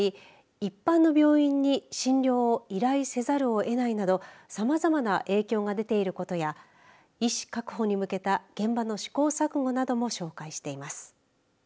一般の病院に診療を依頼せざるを得ないなどさまざまな影響が出ていることや医師確保に向けた現場の試行錯誤なども紹介しています。